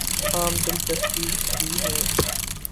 عام دلچسپی کی ہیں